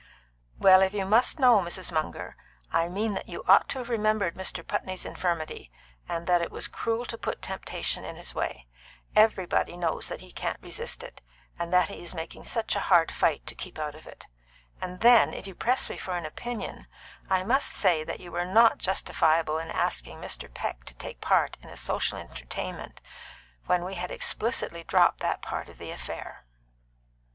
"Well, if you must know, Mrs. Munger, I mean that you ought to have remembered Mr. Putney's infirmity, and that it was cruel to put temptation in his way. Everybody knows that he can't resist it, and that he is making such a hard fight to keep out of it. And then, if you press me for an opinion, I must say that you were not justifiable in asking Mr. Peck to take part in a social entertainment when we had explicitly dropped that part of the affair."